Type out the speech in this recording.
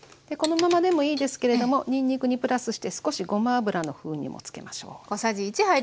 このままでもいいですけれどもにんにくにプラスして少しごま油の風味もつけましょう。